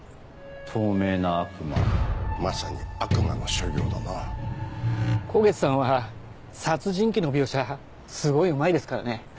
透明な悪魔まさに悪魔の所業だな香月さんは殺人鬼の描写すごいうまいですからね。